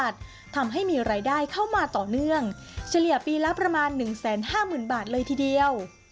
เฉลี่ยปีละประมาณ๑๕๐๐๐๐๐บาทเลยทีเดียว